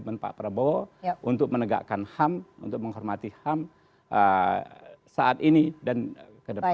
komitmen pak prabowo untuk menegakkan ham untuk menghormati ham saat ini dan ke depan